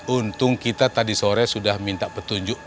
untung kita tadi sore sudah minta petunjuk